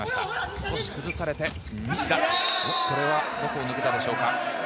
少し崩されて西田、これはどこを抜けたでしょうか。